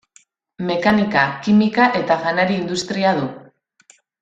Mekanika-, kimika- eta janari-industria du.